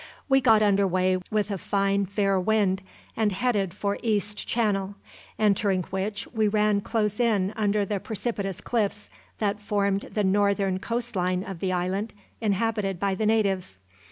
We got under way with a fine fair wind, and headed for East Channel, entering which we ran close in under the precipitous cliffs that formed the northern coast line of the island inhabited by the natives.